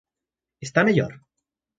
Está mellor?